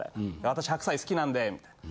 「私白菜好きなんで」みたいな。